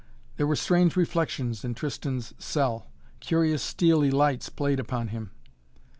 There were strange reflections in Tristan's cell. Curious steely lights played upon him.